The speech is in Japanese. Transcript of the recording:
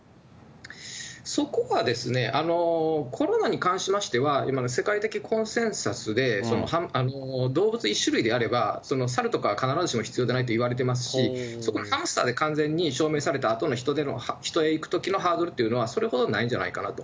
そこは、コロナに関しましては、世界的コンセンサスで動物１種類であれば、サルとか必ずしも必要でないといわれてますし、ハムスターで完全に証明されたあとでの人へいくときのハードルというのはそれほどないんじゃないかなと。